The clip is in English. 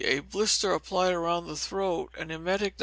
A blister applied all round the throat: an emetic, No.